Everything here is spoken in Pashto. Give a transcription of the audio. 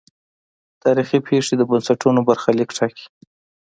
تاریخي پېښې د بنسټونو برخلیک ټاکي.